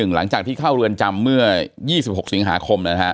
หลังจากที่เข้าเรือนจำเมื่อ๒๖สิงหาคม